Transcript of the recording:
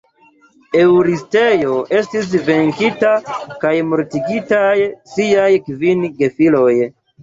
Eŭristeo estis venkita kaj mortigitaj siaj kvin gefiloj.